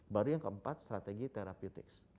baru yang keempat strategi terapitics